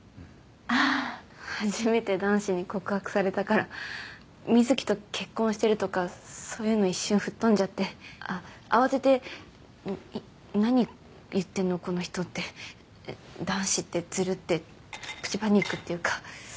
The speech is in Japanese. ああー初めて男子に告白されたから瑞貴と結婚してるとかそういうの一瞬吹っ飛んじゃってあっ慌てて何言ってんのこの人って男子ってズルってプチパニックっていうかん？